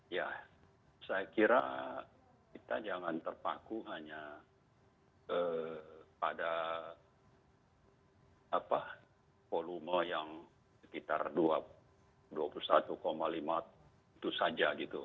ya saya kira kita jangan terpaku hanya pada volume yang sekitar dua puluh satu lima itu saja gitu